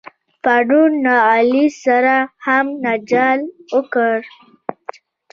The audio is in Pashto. پرون له علي سره هم جنجال وکړ.